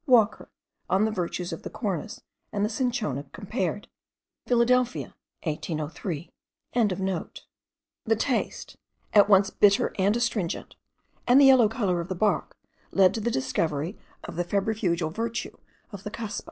Walker on the Virtues of the Cornus and the Cinchona compared. Philadelphia 1803.) The taste, at once bitter and astringent, and the yellow colour of the bark led to the discovery of the febrifugal virtue of the cuspa.